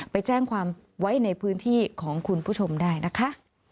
ไปแจ้งความไว้ในพื้นที่ของคุณผู้ชมได้นะคะ